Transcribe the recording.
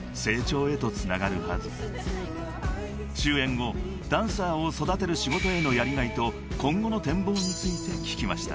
［終演後ダンサーを育てる仕事へのやりがいと今後の展望について聞きました］